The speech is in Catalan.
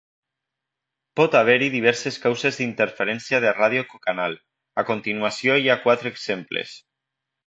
Pot haver-hi diverses causes d'interferència de ràdio cocanal; a continuació hi ha quatre exemples.